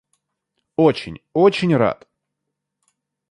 Очень, очень рад!